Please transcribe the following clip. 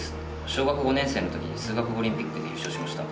小学５年生の時に数学オリンピックで優勝しました